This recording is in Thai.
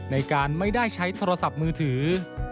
ในการไม่ได้ใช้โทรศัพท์มือถือ